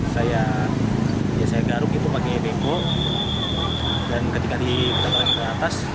saya biasanya garuk itu pakai beko dan ketika diperangkat ke atas